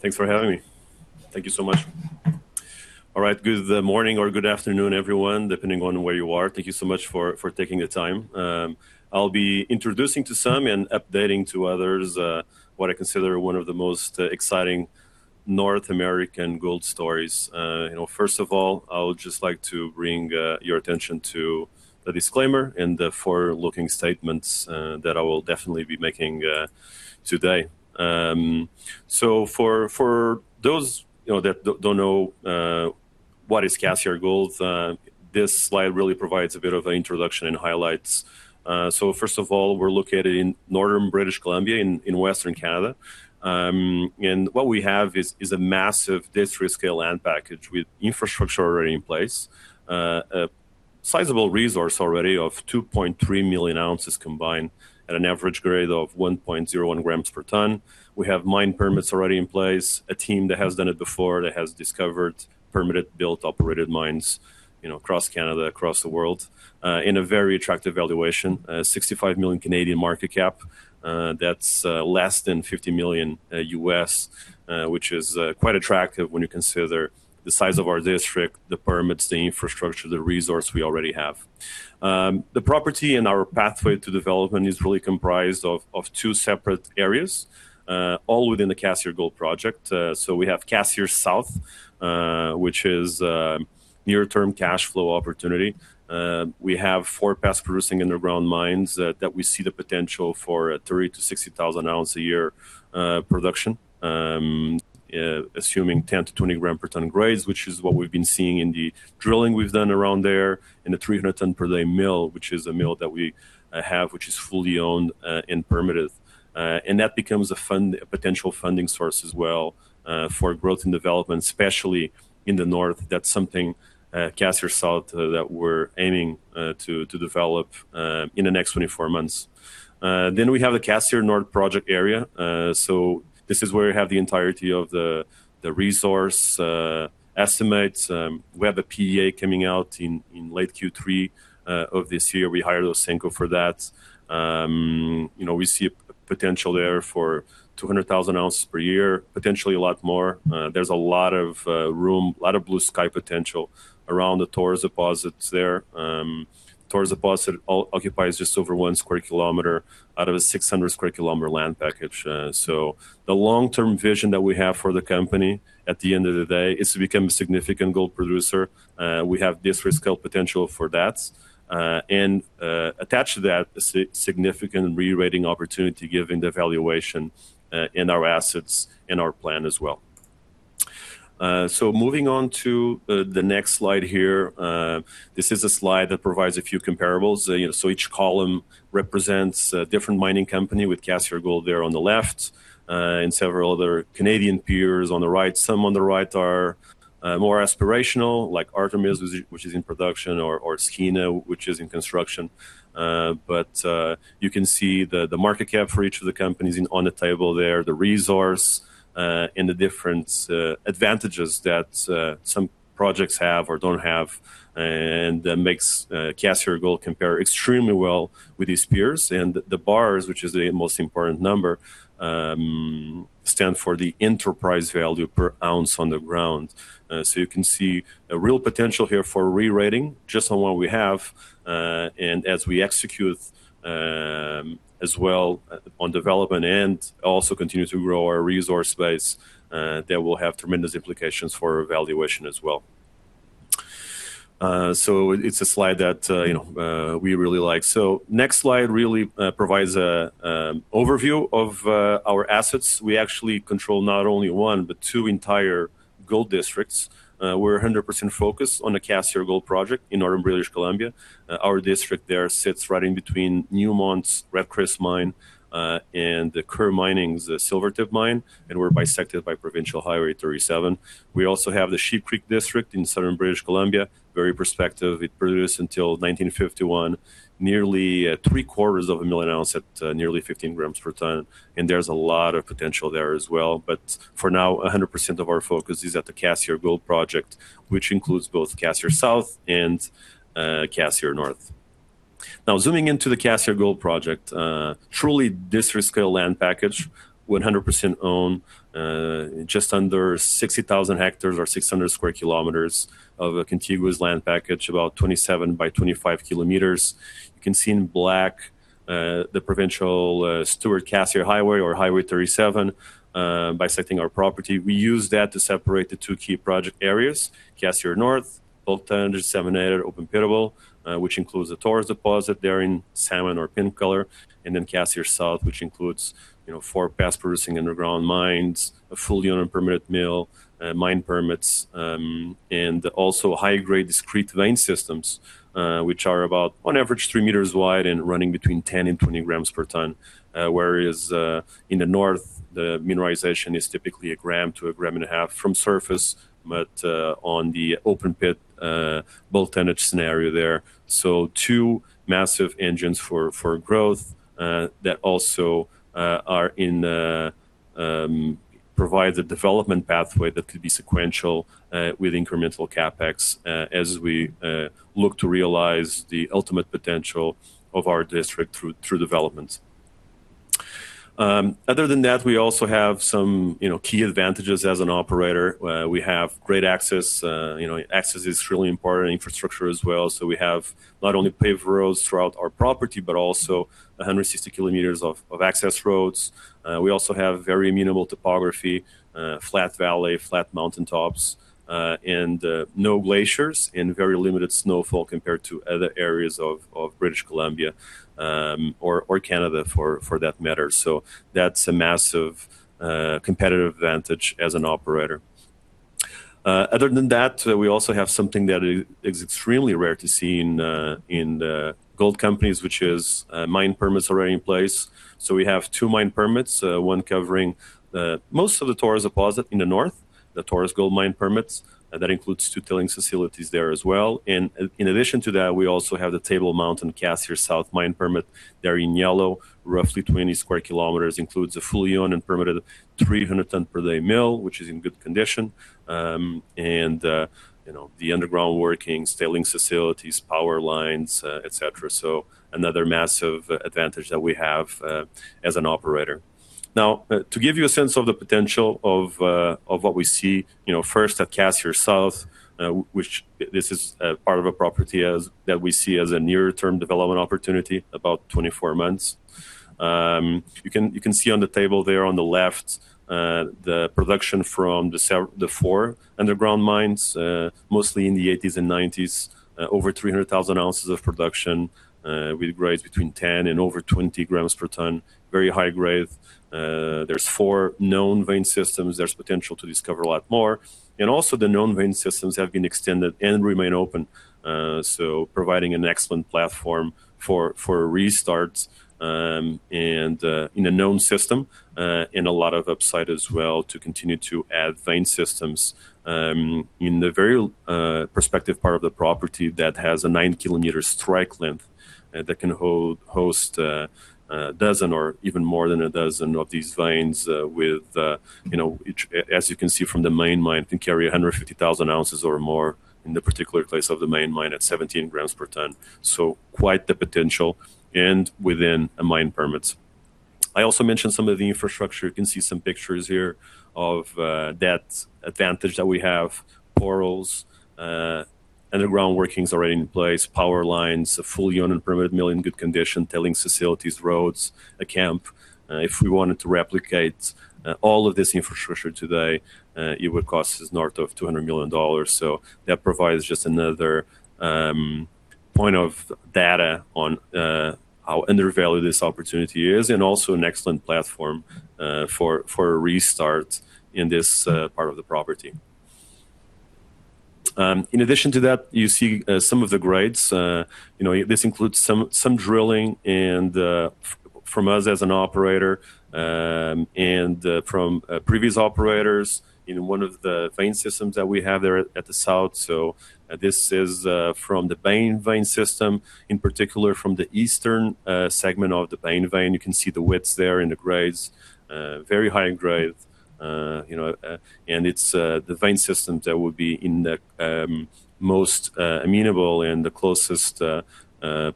Thanks for having me. Thank you so much. All right. Good morning or good afternoon, everyone, depending on where you are. Thank you so much for taking the time. I will be introducing to some and updating to others what I consider one of the most exciting North American gold stories. First of all, I would just like to bring your attention to the disclaimer and the forward-looking statements that I will definitely be making today. For those that don't know what is Cassiar Gold, this slide really provides a bit of an introduction and highlights. First of all, we're located in northern British Columbia in western Canada. What we have is a massive district-scale land package with infrastructure already in place, a sizable resource already of 2.3 million ounces combined at an average grade of 1.01 grams per tonne. We have mine permits already in place, a team that has done it before, that has discovered permitted built, operated mines across Canada, across the world, in a very attractive valuation, 65 million market cap. That's less than $50 million U.S., which is quite attractive when you consider the size of our district, the permits, the infrastructure, the resource we already have. The property and our pathway to development is really comprised of two separate areas, all within the Cassiar Gold project. We have Cassiar South, which is a near-term cash flow opportunity. We have four past producing underground mines that we see the potential for a 30,000-60,000 ounce a year production, assuming 10-20 gram per tonne grades, which is what we've been seeing in the drilling we've done around there, and a 300 tonne per day mill, which is a mill that we have, which is fully owned and permitted. That becomes a potential funding source as well for growth and development, especially in the north. That's something, Cassiar South, that we're aiming to develop in the next 24 months. We have the Cassiar North project area. This is where we have the entirety of the resource estimates. We have a PEA coming out in late Q3 of this year. We hired Ausenco for that. We see a potential there for 200,000 ounces per year, potentially a lot more. There's a lot of room, a lot of blue sky potential around the Taurus deposits there. Taurus deposit occupies just over 1 sq km out of a 600 sq km land package. The long-term vision that we have for the company at the end of the day is to become a significant gold producer. We have district-scale potential for that. Attached to that, a significant re-rating opportunity given the valuation in our assets and our plan as well. Moving on to the next slide here. This is a slide that provides a few comparables. Each column represents a different mining company with Cassiar Gold there on the left, and several other Canadian peers on the right. Some on the right are more aspirational, like Artemis, which is in production, or Skeena, which is in construction. You can see the market cap for each of the companies on the table there, the resource, and the different advantages that some projects have or don't have, and that makes Cassiar Gold compare extremely well with its peers. The bars, which is the most important number, stand for the enterprise value per ounce on the ground. You can see a real potential here for re-rating just on what we have, and as we execute, as well on development and also continue to grow our resource base, that will have tremendous implications for valuation as well. It's a slide that we really like. Next slide really provides a overview of our assets. We actually control not only one but two entire gold districts. We're 100% focused on the Cassiar Gold project in northern British Columbia. Our district there sits right in between Newmont's Red Chris mine, and Coeur Mining's Silvertip mine, and we're bisected by Provincial Highway 37. We also have the Sheep Creek district in southern British Columbia. Very prospective. It produced until 1951, nearly three-quarters of a million ounces at nearly 15 grams per tonne, and there's a lot of potential there as well. For now, 100% of our focus is at the Cassiar Gold project, which includes both Cassiar South and Cassiar North. Now zooming into the Cassiar Gold project, truly district-scale land package, 100% owned, just under 60,000 hectares or 600 sq km of a contiguous land package, about 27 by 25 km. You can see in black the provincial Stewart-Cassiar Highway or Highway 37 bisecting our property. We use that to separate the two key project areas, Cassiar North, bulk tonnage, seminar, open pit-able, which includes the Taurus Deposit there in salmon or pink color, and then Cassiar South, which includes four past producing underground mines, a fully owned and permitted mill, mine permits, and also high-grade discrete vein systems, which are about, on average, three meters wide and running between 10 and 20 grams per tonne. Whereas in the north, the mineralization is typically a gram to a gram and a half from surface, but on the open pit bulk tonnage scenario there. Two massive engines for growth that also provide the development pathway that could be sequential with incremental CapEx as we look to realize the ultimate potential of our district through developments. Other than that, we also have some key advantages as an operator. We have great access. Access is really important, infrastructure as well. We have not only paved roads throughout our property, but also 160 km of access roads. We also have very amenable topography, flat valley, flat mountaintops, and no glaciers, and very limited snowfall compared to other areas of British Columbia, or Canada for that matter. That's a massive competitive advantage as an operator. Other than that, we also have something that is extremely rare to see in gold companies, which is mine permits already in place. We have two mine permits, one covering most of the Taurus deposit in the north, the Taurus gold mine permits, that includes two tailing facilities there as well. In addition to that, we also have the Table Mountain Cassiar South mine permit there in yellow, roughly 20 sq km, includes a fully owned and permitted 300 ton per day mill, which is in good condition. The underground working, tailing facilities, power lines, et cetera. Another massive advantage that we have as an operator. To give you a sense of the potential of what we see, first at Cassiar South, which this is part of a property that we see as a near-term development opportunity, about 24 months. You can see on the table there on the left, the production from the four underground mines, mostly in the '80s and '90s, over 300,000 ounces of production, with grades between 10 and over 20 grams per ton. Very high grade. There is four known vein systems. There is potential to discover a lot more. Also the known vein systems have been extended and remain open, providing an excellent platform for a restart in a known system, and a lot of upside as well to continue to add vein systems in the very prospective part of the property that has a 9 km strike length that can host a dozen or even more than a dozen of these veins with, as you can see from the main mine, can carry 150,000 ounces or more in the particular case of the main mine at 17 grams per ton. Quite the potential, and within a mine permit. I also mentioned some of the infrastructure. You can see some pictures here of that advantage that we have. Portals, underground workings already in place, power lines, a fully owned and permitted mill in good condition, tailing facilities, roads, a camp. If we wanted to replicate all of this infrastructure today, it would cost us north of 200 million dollars. That provides just another point of data on how undervalued this opportunity is, and also an excellent platform for a restart in this part of the property. In addition to that, you see some of the grades. This includes some drilling, and from us as an operator, and from previous operators in one of the vein systems that we have there at the south. This is from the Bain vein system, in particular from the eastern segment of the Bain vein. You can see the widths there and the grades. Very high grade. It's the vein system that would be in the most amenable and the closest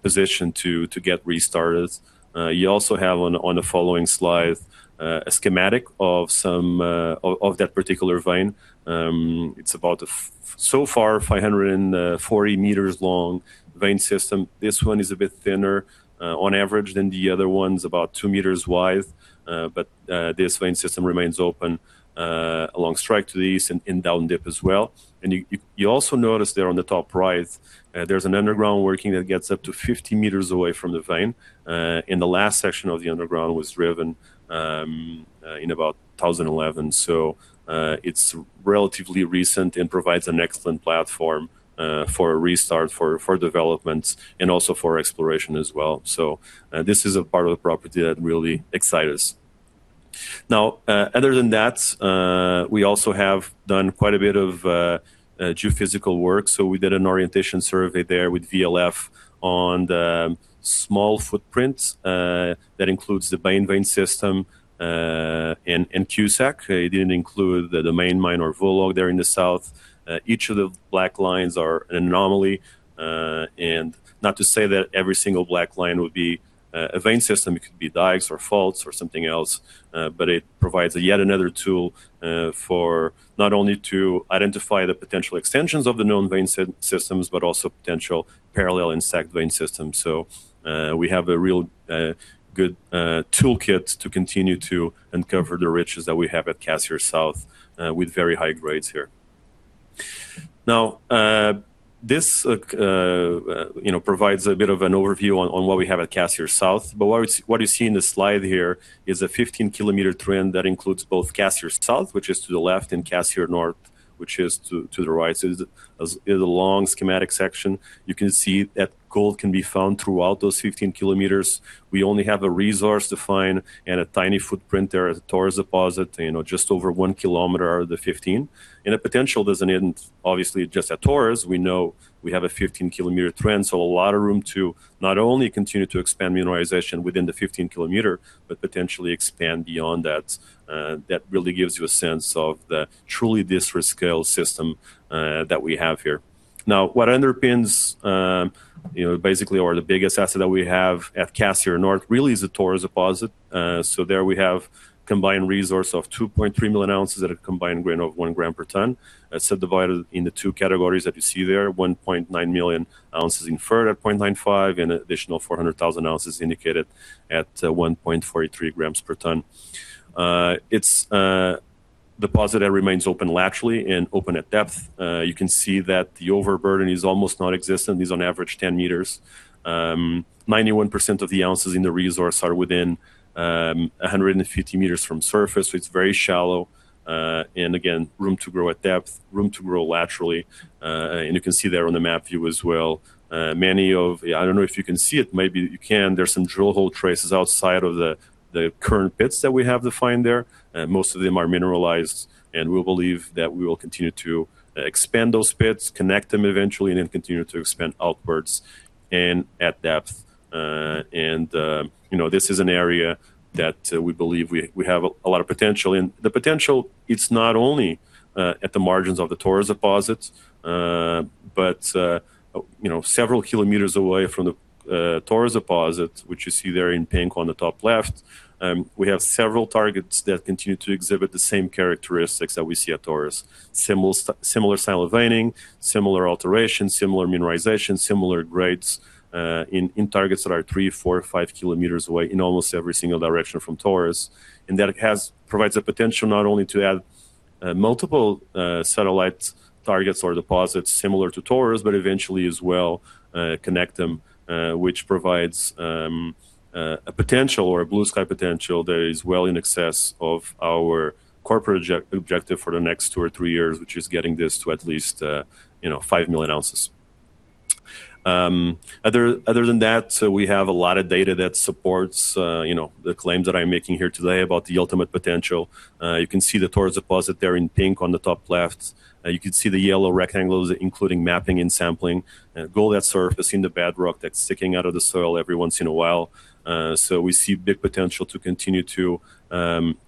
position to get restarted. You also have on the following slide, a schematic of that particular vein. It's about 540 meters long vein system. This one is a bit thinner on average than the other ones, about two meters wide. This vein system remains open, along strike to the east and down dip as well. You also notice there on the top right, there is an underground working that gets up to 50 meters away from the vein. The last section of the underground was driven in about 2011. It's relatively recent and provides an excellent platform for a restart for development and also for exploration as well. This is a part of the property that really excite us. Other than that, we also have done quite a bit of geophysical work. We did an orientation survey there with VLF on the small footprint, that includes the Bain vein system, and Cusac. It didn't include the main mine or Vollaug there in the south. Each of the black lines are an anomaly. Not to say that every single black line would be a vein system. It could be dikes or faults or something else. It provides yet another tool for not only to identify the potential extensions of the known vein systems, but also potential parallel and stack vein systems. We have a real good toolkit to continue to uncover the riches that we have at Cassiar South, with very high grades here. This provides a bit of an overview on what we have at Cassiar South. What you see in the slide here is a 15 km trend that includes both Cassiar South, which is to the left, and Cassiar North, which is to the right. It's a long schematic section. You can see that gold can be found throughout those 15 km. We only have a resource-defined and a tiny footprint there at the Taurus deposit, just over 1 km out of the 15 km. The potential doesn't end, obviously, just at Taurus. We know we have a 15 km trend, a lot of room to not only continue to expand mineralization within the 15 km, but potentially expand beyond that. That really gives you a sense of the truly district-scale system that we have here. What underpins basically the biggest asset that we have at Cassiar North really is the Taurus deposit. There we have a combined resource of 2.3 million ounces at a combined grade of one gram per tonne. Subdivided into 2 categories that you see there, 1.9 million ounces inferred at 0.95, and an additional 400,000 ounces indicated at 1.43 grams per tonne. Its deposit remains open laterally and open at depth. You can see that the overburden is almost non-existent, is on average 10 meters. 91% of the ounces in the resource are within 150 meters from the surface, so it's very shallow. Again, room to grow at depth, room to grow laterally. You can see there on the map view as well. I don't know if you can see it, maybe you can, there's some drill hole traces outside of the current pits that we have defined there. Most of them are mineralized, and we believe that we will continue to expand those pits, connect them eventually, and then continue to expand outwards and at depth. This is an area that we believe we have a lot of potential in. The potential, it's not only at the margins of the Taurus deposit, but several kilometers away from the Taurus deposit, which you see there in pink on the top left. We have several targets that continue to exhibit the same characteristics that we see at Taurus. Similar style of veining, similar alterations, similar mineralization, similar grades, in targets that are 3 km, 4 km, 5 km away in almost every single direction from Taurus. That provides the potential not only to add multiple satellite targets or deposits similar to Taurus, but eventually as well connect them, which provides a potential or a blue-sky potential that is well in excess of our corporate objective for the next two or three years, which is getting this to at least 5 million ounces. Other than that, we have a lot of data that supports the claims that I'm making here today about the ultimate potential. You can see the Taurus deposit there in pink on the top left. You could see the yellow rectangles, including mapping and sampling. Gold at the surface in the bedrock that's sticking out of the soil every once in a while. We see big potential to continue to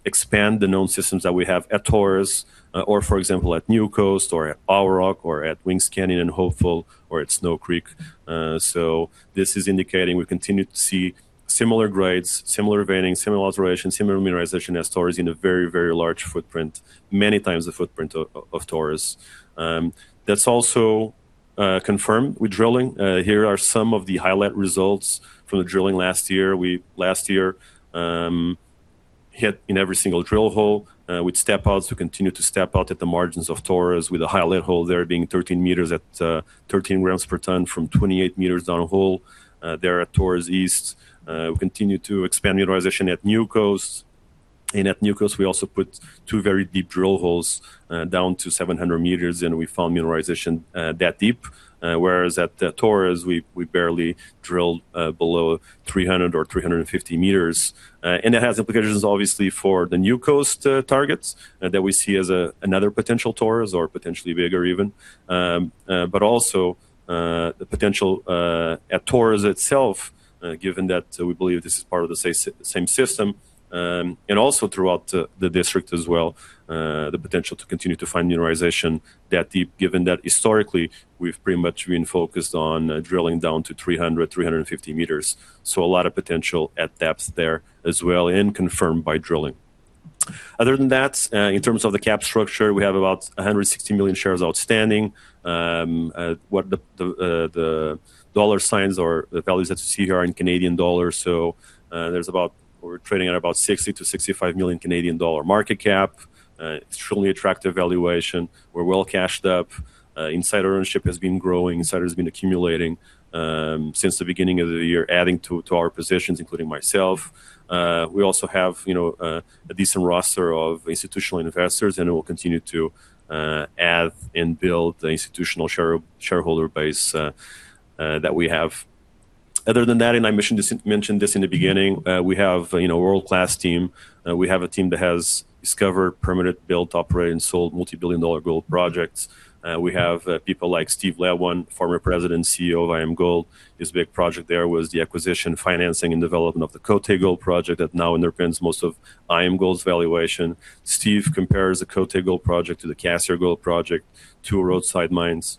expand the known systems that we have at Taurus or, for example, at Newcoast or at Powerrock or at Wings Canyon and Hopeful or at Snow Creek. This is indicating we continue to see similar grades, similar veining, similar alterations, similar mineralization as Taurus in a very, very large footprint, many times the footprint of Taurus. That's also confirmed with drilling. Here are some of the highlight results from the drilling last year. We, last year, hit in every single drill hole, with step outs to continue to step out at the margins of Taurus with a highlight hole there being 13 meters at 13 grams per tonne from 28 meters down a hole there at Taurus East. We continue to expand mineralization at Newcoast. At Newcoast, we also put two very deep drill holes down to 700 meters and we found mineralization that deep. Whereas at Taurus, we barely drilled below 300 or 350 meters. That has implications obviously for the Newcoast targets that we see as another potential Taurus or potentially bigger even. Also the potential at Taurus itself, given that we believe this is part of the same system, and also throughout the district as well, the potential to continue to find mineralization that deep, given that historically, we've pretty much been focused on drilling down to 300, 350 meters. A lot of potential at depth there as well and confirmed by drilling. Other than that, in terms of the cap structure, we have about 160 million shares outstanding. The dollar signs or the values that you see here are in Canadian dollars. We're trading at about 60 million-65 million Canadian dollar market cap. Extremely attractive valuation. We're well cashed up. Insider ownership has been growing. Insiders have been accumulating since the beginning of the year, adding to our positions, including myself. We also have a decent roster of institutional investors, and we will continue to add and build the institutional shareholder base that we have. Other than that, and I mentioned this in the beginning, we have a world-class team. We have a team that has discovered, permitted, built, operated, and sold multi-billion dollar gold projects. We have people like Steve Letwin, former President and CEO of IAMGOLD. His big project there was the acquisition, financing, and development of the Côté Gold project that now underpins most of IAMGOLD's valuation. Steve compares the Côté Gold project to the Cassiar Gold project to roadside mines.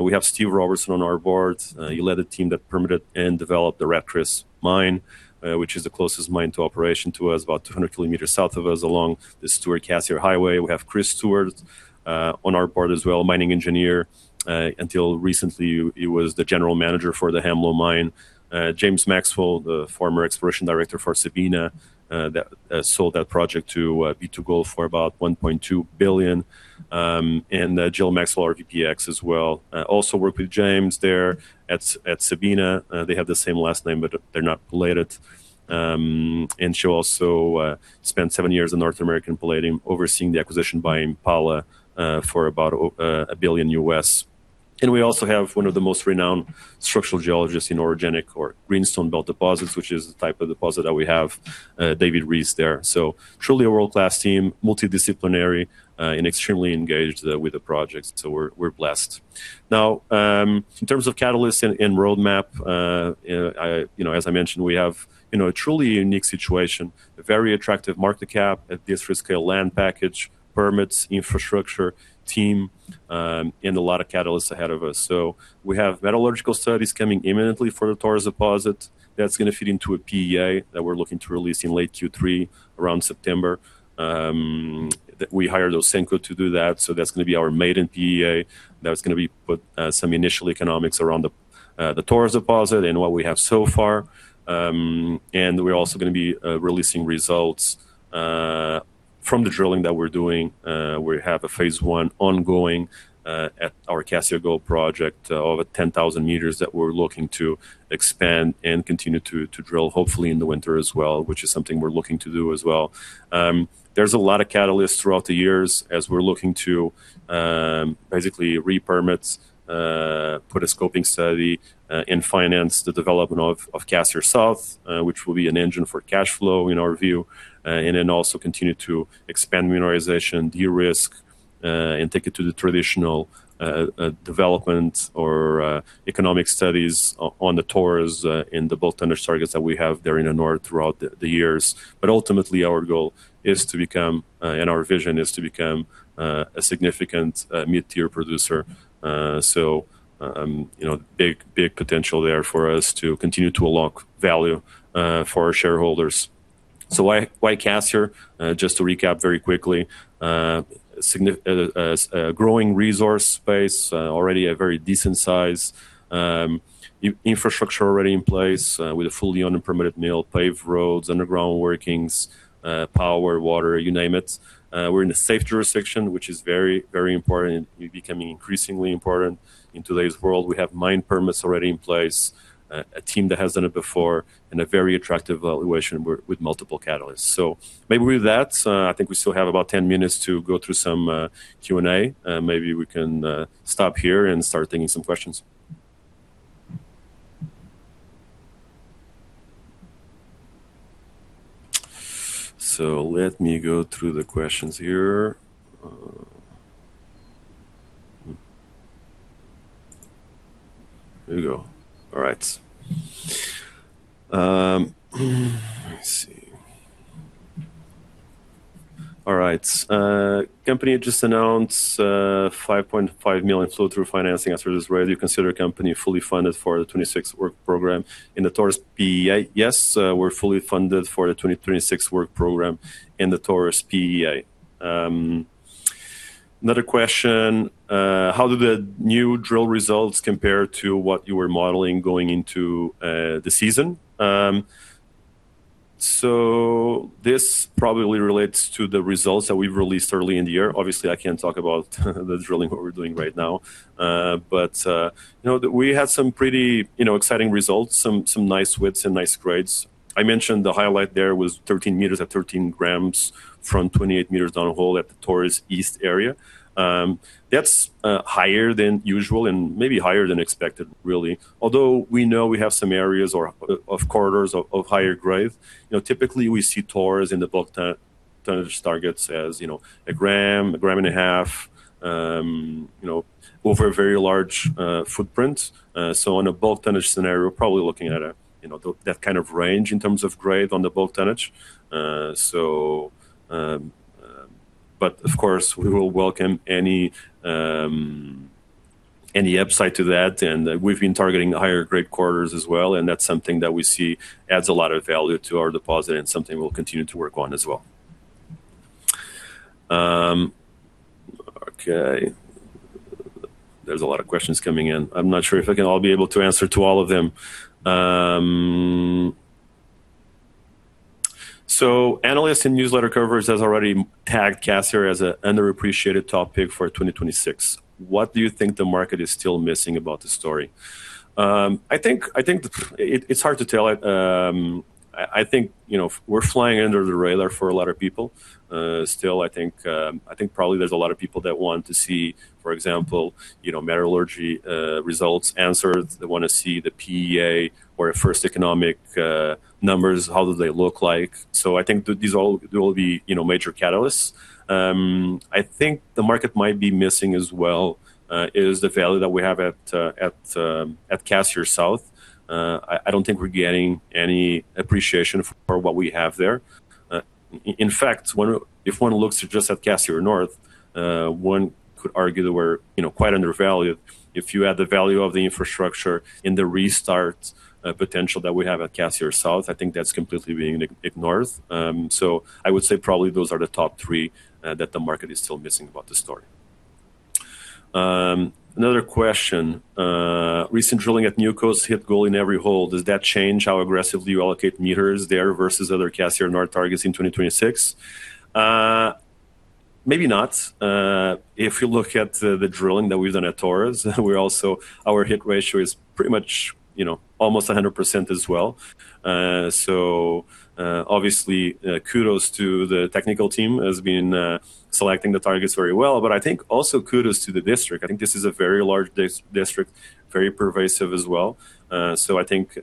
We have Steve Robertson on our Board. He led a team that permitted and developed the Red Chris mine, which is the closest mine to operation to us, about 200 km south of us along the Stewart-Cassiar Highway. We have Chris Stewart on our board as well, mining engineer. Until recently, he was the general manager for the Hemlo Mine. James Maxwell, the former exploration director for Sabina, that sold that project to B2Gold for about 1.2 billion. Jill Maxwell, our VP Ex as well, also worked with James there at Sabina. They have the same last name, but they're not related. She also spent seven years in North American Palladium overseeing the acquisition by Impala for about 1 billion. We also have one of the most renowned structural geologists in orogenic or greenstone belt deposits, which is the type of deposit that we have, David Rhys there. Truly a world-class team, multidisciplinary, and extremely engaged with the project. We're blessed. In terms of catalysts and roadmap, as I mentioned, we have a truly unique situation. A very attractive market cap, a district-scale land package. Permits, infrastructure, team, a lot of catalysts ahead of us. We have metallurgical studies coming imminently for the Taurus deposit. That's going to fit into a PEA that we're looking to release in late Q3, around September. We hired Ausenco to do that's going to be our maiden PEA. That's going to put some initial economics around the Taurus deposit and what we have so far. We're also going to be releasing results from the drilling that we're doing. We have a phase I ongoing at our Cassiar Gold project, over 10,000 meters that we're looking to expand and continue to drill hopefully in the winter as well, which is something we're looking to do as well. There's a lot of catalysts throughout the years as we're looking to basically re-permit, put a scoping study, and finance the development of Cassiar South, which will be an engine for cash flow in our view. Then also continue to expand mineralization, de-risk, and take it to the traditional development or economic studies on the Taurus in the bulk tonnage targets that we have there in the north throughout the years. Ultimately, our goal and our vision is to become a significant mid-tier producer. Big potential there for us to continue to unlock value for our shareholders. Why Cassiar? Just to recap very quickly. A growing resource base, already a very decent size. Infrastructure already in place with a fully owned and permitted mill, paved roads, underground workings, power, water, you name it. We're in a safe jurisdiction, which is very, very important, becoming increasingly important in today's world. We have mine permits already in place, a team that has done it before, a very attractive valuation with multiple catalysts. Maybe with that, I think we still have about 10 minutes to go through some Q&A. Maybe we can stop here and start taking some questions. Let me go through the questions here. Here we go. All right. Let's see. All right. Company just announced 5.5 million flow-through financing as it is ready. Do you consider company fully funded for the 2026 work program in the Taurus PEA? Yes, we're fully funded for the 2026 work program in the Taurus PEA. Another question. How do the new drill results compare to what you were modeling going into the season? This probably relates to the results that we've released early in the year. Obviously, I can't talk about the drilling, what we're doing right now. We had some pretty exciting results, some nice widths and nice grades. I mentioned the highlight there was 13 meters at 13 grams from 28 meters down hole at the Taurus East area. That's higher than usual and maybe higher than expected, really. Although we know we have some areas of corridors of higher grade. Typically, we see Taurus in the bulk tonnage targets as a gram, a gram and a half, over a very large footprint. On a bulk tonnage scenario, probably looking at that kind of range in terms of grade on the bulk tonnage. Of course, we will welcome any upside to that, and we've been targeting higher-grade corridors as well, and that's something that we see adds a lot of value to our deposit and something we'll continue to work on as well. Okay. There's a lot of questions coming in. I'm not sure if I'll be able to answer to all of them. Analysts and newsletter covers has already tagged Cassiar as an underappreciated top pick for 2026. What do you think the market is still missing about the story? I think it's hard to tell. I think, we're flying under the radar for a lot of people. Still, I think probably there's a lot of people that want to see, for example, metallurgy results answered. They want to see the PEA or first economic numbers, how do they look like. I think these all will be major catalysts. I think the market might be missing as well, is the value that we have at Cassiar South. I don't think we're getting any appreciation for what we have there. In fact, if one looks just at Cassiar North, one could argue that we're quite undervalued. If you add the value of the infrastructure and the restart potential that we have at Cassiar South, I think that's completely being ignored. I would say probably those are the top three that the market is still missing about the story. Another question. Recent drilling at Newcoast hit gold in every hole. Does that change how aggressively you allocate meters there versus other Cassiar North targets in 2026? Maybe not. If you look at the drilling that we've done at Taurus, our hit ratio is pretty much almost 100% as well. Obviously, kudos to the technical team as being selecting the targets very well. I think also kudos to the district. I think this is a very large district, very pervasive as well. I think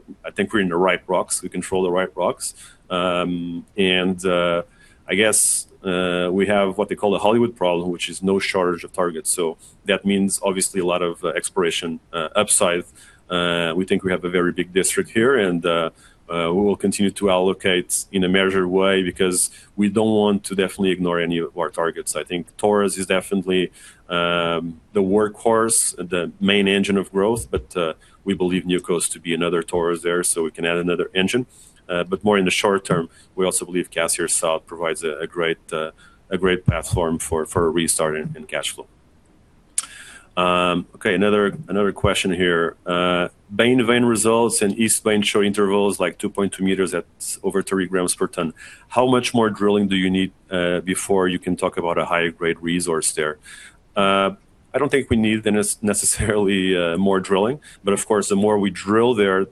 we're in the right rocks. We control the right rocks. I guess, we have what they call the Hollywood problem, which is no shortage of targets. That means, obviously, a lot of exploration upside. We think we have a very big district here, and we will continue to allocate in a measured way because we don't want to definitely ignore any of our targets. I think Taurus is definitely the workhorse, the main engine of growth, but we believe Newcoast to be another Taurus there, so we can add another engine. More in the short term, we also believe Cassiar South provides a great platform for a restart in cash flow. Okay, another question here. Main vein results and east vein show intervals like 2.2 meters at over 3 grams per ton. How much more drilling do you need before you can talk about a higher grade resource there? I don't think we need necessarily more drilling, but of course, the more we drill there,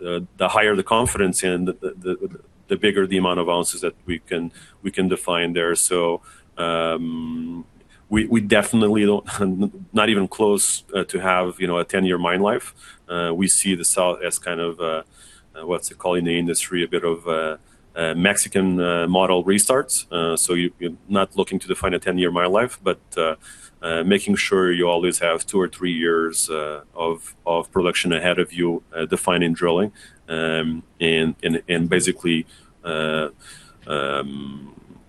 the higher the confidence and the bigger the amount of ounces that we can define there. We definitely don't not even close to have a 10-year mine life. We see the south as a, what's it called, in the industry, a bit of Mexican model restarts. You're not looking to define a 10-year mine life, but making sure you always have two or three years of production ahead of you defining drilling, and basically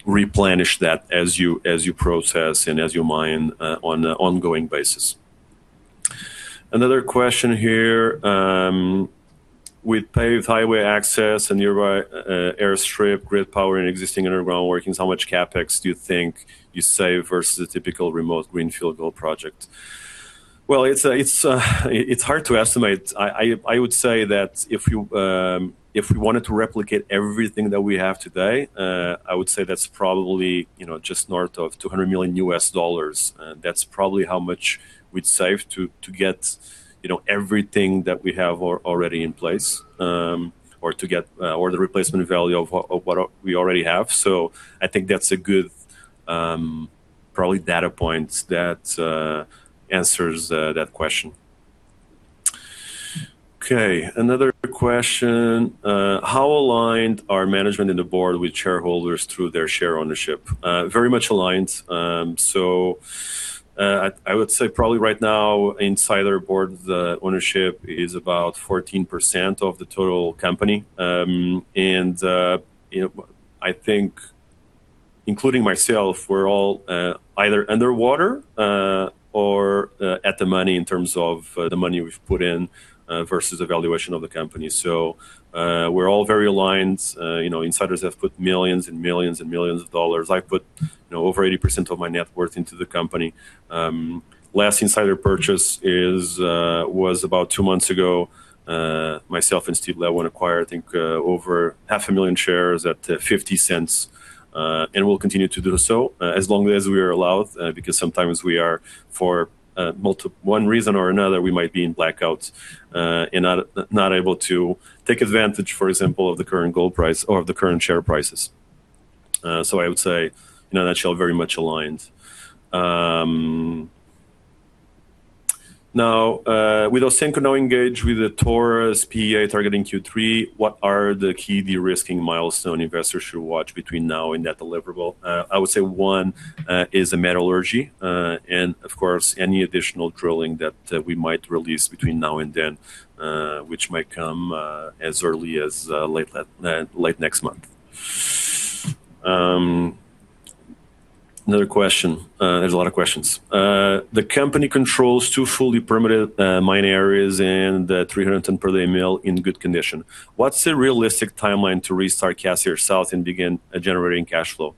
replenish that as you process and as you mine on an ongoing basis. Another question here. With paved highway access, a nearby airstrip, grid power, and existing underground workings, how much CapEx do you think you save versus a typical remote greenfield gold project? Well, it's hard to estimate. I would say that if we wanted to replicate everything that we have today, I would say that's probably just north of $200 million. That's probably how much we'd save to get everything that we have already in place, or the replacement value of what we already have. I think that's a good, probably data point that answers that question. Okay, another question. How aligned are management and the board with shareholders through their share ownership? Very much aligned. I would say probably right now, insider board ownership is about 14% of the total company. I think including myself, we're all either underwater or at the money in terms of the money we've put in versus the valuation of the company. We're all very aligned. Insiders have put millions and millions and millions of CAD. I've put over 80% of my net worth into the company. Last insider purchase was about two months ago. Myself and Steve Letwin acquired, I think, over half a million shares at 0.50. We'll continue to do so as long as we are allowed, because sometimes, for one reason or another, we might be in blackouts, and not able to take advantage, for example, of the current gold price or of the current share prices. I would say, in a nutshell, very much aligned. Now, with Ausenco now engaged with the Taurus PEA targeting Q3, what are the key de-risking milestones investors should watch between now and that deliverable? I would say one is the metallurgy, and of course, any additional drilling that we might release between now and then, which might come as early as late next month. Another question. There's a lot of questions. The company controls two fully permitted mine areas and 310 per day mill in good condition. What's the realistic timeline to restart Cassiar South and begin generating cash flow?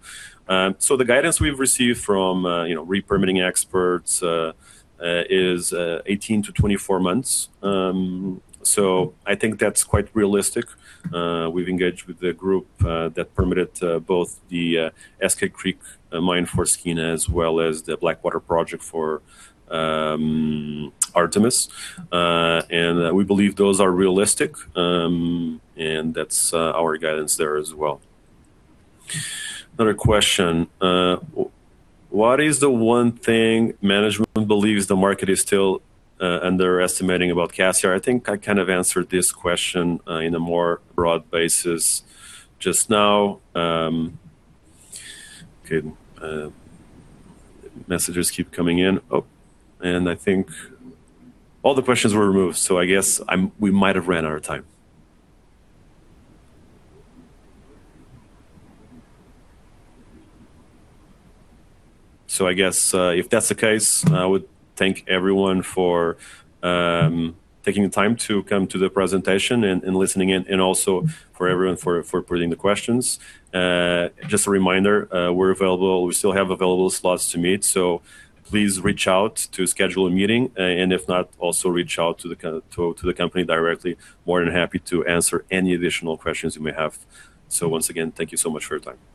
The guidance we've received from re-permitting experts is 18-24 months. I think that's quite realistic. We've engaged with the group that permitted both the Eskay Creek mine for Skeena as well as the Blackwater project for Artemis. We believe those are realistic, and that's our guidance there as well. Another question. What is the one thing management believes the market is still underestimating about Cassiar? I think I kind of answered this question in a more broad basis just now. Okay. Messages keep coming in. I think all the questions were removed, I guess we might have ran out of time. I guess, if that's the case, I would thank everyone for taking the time to come to the presentation and listening in, and also for everyone for putting the questions. Just a reminder, we still have available slots to meet, please reach out to schedule a meeting. If not, also reach out to the company directly. More than happy to answer any additional questions you may have. Once again, thank you so much for your time.